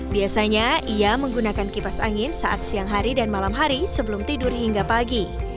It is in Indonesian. biasanya ia menggunakan kipas angin saat siang hari dan malam hari sebelum tidur hingga pagi